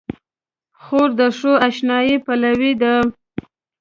خور د ښو اشنايي پلوي ده.